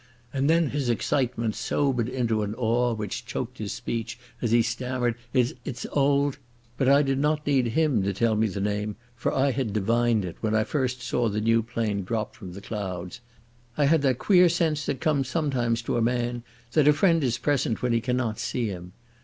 And then his excitement sobered into an awe which choked his speech, as he stammered—"It's old—" But I did not need him to tell me the name, for I had divined it when I first saw the new plane drop from the clouds. I had that queer sense that comes sometimes to a man that a friend is present when he cannot see him.